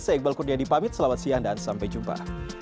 saya iqbal kurnia dipamit selamat siang dan sampai jumpa